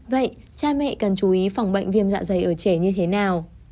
vậy cha mẹ cần chú ý phòng bệnh viêm dạ dày ở trẻ như thế nào